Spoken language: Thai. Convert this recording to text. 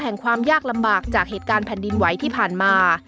ความยากลำบากจากเหตุการณ์แผ่นดินไหวที่ผ่านมา